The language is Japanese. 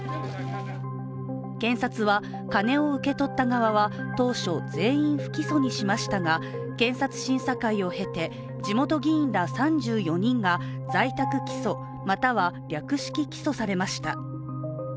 検察は金を受け取った側は当初、全員不起訴にしましたが検察審査会を経て、地元議員ら３４人が在宅起訴、または略式起訴されました。